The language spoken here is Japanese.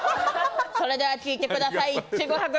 それでは聴いてください。